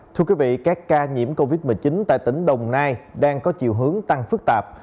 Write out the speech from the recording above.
thưa quý vị các ca nhiễm covid một mươi chín tại tỉnh đồng nai đang có chiều hướng tăng phức tạp